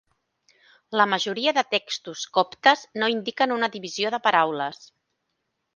La majoria de textos coptes no indiquen una divisió de paraules.